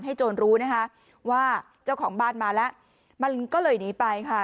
โจรรู้นะคะว่าเจ้าของบ้านมาแล้วมันก็เลยหนีไปค่ะ